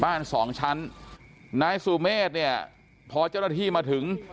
บ้านสองชั้นนายสุเมฆเนี่ยพอเจ้าหน้าที่มาถึง